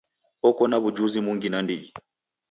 Oko na w'ujuzi mungi nandighi.